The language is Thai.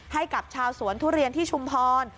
ให้กับชาวสวนทุเรียนที่ชุมพร